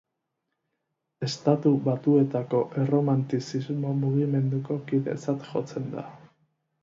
Estatu Batuetako erromantizismo mugimenduko kidetzat jotzen da.